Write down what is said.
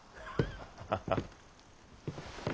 ハハハハッ。